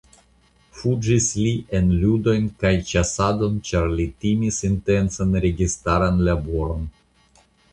Fuĝis li en ludojn kaj ĉasadon ĉar li timis intensan registaran laboron.